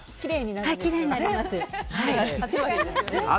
きれいになりますよ。